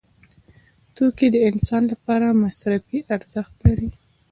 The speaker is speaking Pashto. توکي د انسان لپاره مصرفي ارزښت لري.